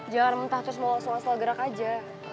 jangan mentah terus mau langsung asal gerak aja